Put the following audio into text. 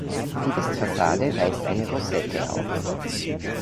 Die Westfassade weist eine Rosette auf.